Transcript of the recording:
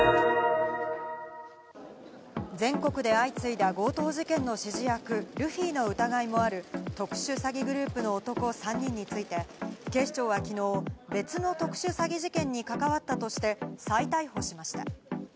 全国で相次いだ強盗事件の指示役・ルフィの疑いもある特殊詐欺グループの男３人について、警視庁は昨日、別の特殊詐欺事件に関わったとして再逮捕しました。